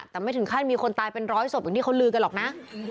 แต่ไม่ถึงขั้นมีคนตายเป็นร้อยศพอย่างที่เขาลือกันหรอกนะ